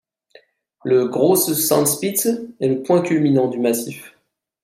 Le Grosse Sandspitze est le point culminant du massif.